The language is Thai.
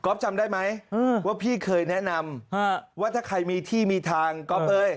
จำได้ไหมว่าพี่เคยแนะนำว่าถ้าใครมีที่มีทางก๊อฟเอ้ย